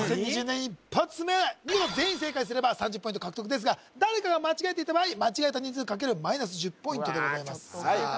２０２２年一発目見事全員正解すれば３０ポイント獲得ですが誰かが間違えていた場合間違えた人数×マイナス１０ポイントでございますさあ